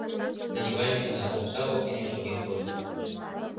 Дневальный гына омса воктене шоген кодо.